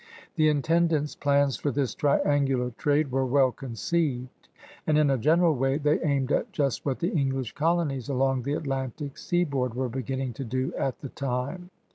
The intendant's plans for this triangular trade were well conceived, and in a general way they aimed at just what the English colonies along the Atlantic seaboard were beginning to do at the time.